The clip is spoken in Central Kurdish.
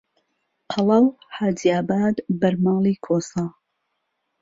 قەڵا و حاجیاباد بەر ماڵی کۆسە